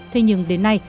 thế nhưng đến nay